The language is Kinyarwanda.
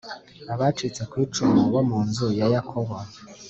abacitse ku icumu bo mu nzu ya Yakobo,